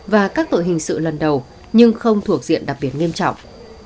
và các tội hình sự lần đầu nhưng không thuộc diện đặc biệt nghiêm trọng